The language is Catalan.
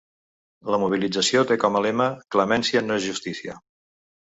La mobilització té com a lema Clemència no és justícia.